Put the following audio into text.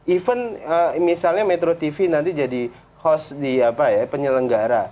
even misalnya metro tv nanti jadi host di apa ya penyelenggara